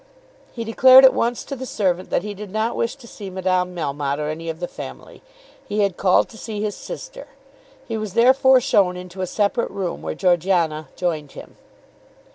He declared at once to the servant that he did not wish to see Madame Melmotte or any of the family. He had called to see his sister. He was therefore shown into a separate room where Georgiana joined him.